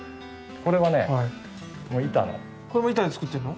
これはね板の。